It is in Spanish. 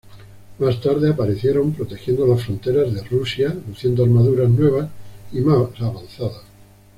Más tarde, aparecieron protegiendo las fronteras de Rusia, luciendo armaduras nuevas y más avanzadas.